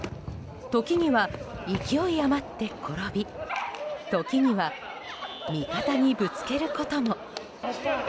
時には勢い余って転び時には味方にぶつけることも。